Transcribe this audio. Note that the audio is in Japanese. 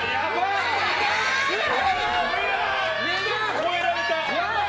超えられた！